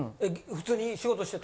・普通に仕事してた？